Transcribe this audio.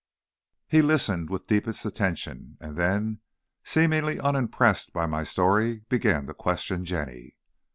He listened with deepest attention, and then, seemingly unimpressed by my story, began to question Jenny.